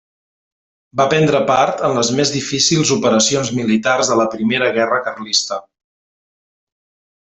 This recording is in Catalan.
Va prendre part en les més difícils operacions militars de la Primera Guerra Carlista.